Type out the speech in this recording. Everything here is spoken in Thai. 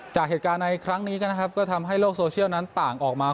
จากเหตุการณ์ในครั้งนี้กันนะครับก็ทำให้โลกโซเชียลนั้นต่างออกมา